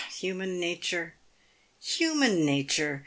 human natur ! human natur !